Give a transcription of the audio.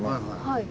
はい。